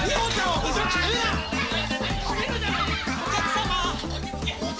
お客様っ！！